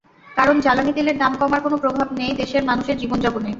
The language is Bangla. কারণ জ্বালানি তেলের দাম কমার কোনো প্রভাব নেই দেশের মানুষের জীবনযাপনে।